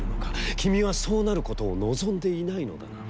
君は、そうなることを望んでいないのだな」。